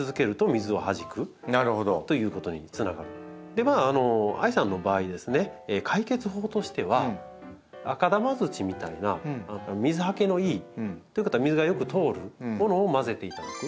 ではあいさんの場合ですね解決法としては赤玉土みたいな水はけのいいということは水がよく通るものを混ぜていただく。